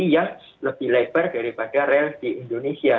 yang lebih lebar daripada rel di indonesia